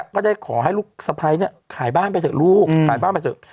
ก็ได้ขอให้ลูกสะพ้ายขายบ้านไปเถอะลูกขายบ้านไปเถอะ